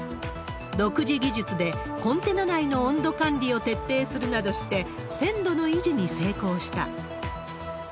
独自技術で、コンテナ内の温度管理を徹底するなどして、鮮度の維持に成功した。